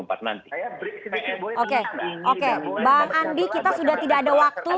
bang andi kita sudah tidak ada waktu